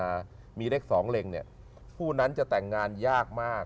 นี่มีเล็ก๒เล็งผู้นั้นจะแต่งงานยากมาก